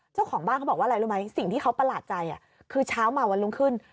เจ้าของบ้านเขาบอกว่าอะไรรู้ไหมสิ่งที่เขาประหลาดใจคือเช้ามาวันรุ่งขึ้น